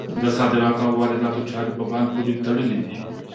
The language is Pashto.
د صادراتو او وارداتو چارې په بانک پورې تړلي دي.